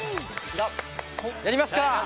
やりますか！